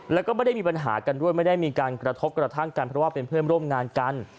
แล้วก็ไม่ได้มีปัญหากันด้วยไม่ได้มีการกระทบกระทั่งกันเพราะว่าเป็นเพื่อนร่วมงานกัน